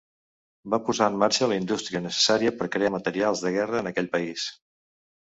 Va posar en marxa la indústria necessària per crear materials de guerra en aquell país.